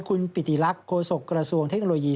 คุณปิติลักษ์โฆษกระทรวงเทคโนโลยี